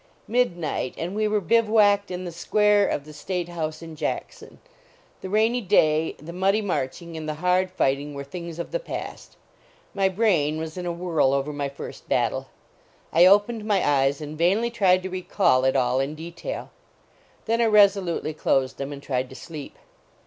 Midnight, and we were bivouacked in the square of the state house in Jackson. The rainy day, the muddy marching, and the hard fighting were things of the past. My brain was in a whirl over my first battle. I opened my eyes and vainly tried to recall it all in de tail. Then I resolutely closed them and tried to sleep.